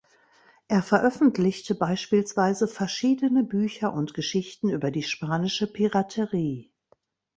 Er veröffentlichte beispielsweise verschiedene Bücher und Geschichten über die spanische Piraterie.